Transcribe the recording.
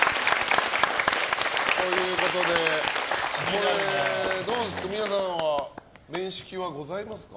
これ、どうですか皆さんは面識はございますか？